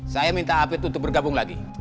saya minta apit untuk bergabung lagi